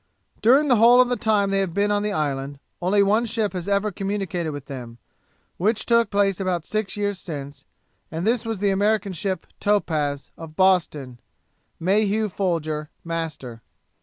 'During the whole of the time they have been on the island, only one ship has ever communicated with them, which took place about six years since, and this was the American ship Topaz, of Boston, Mayhew Folger, master.